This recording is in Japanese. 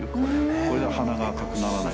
これで鼻が赤くならない。